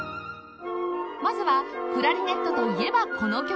まずはクラリネットといえばこの曲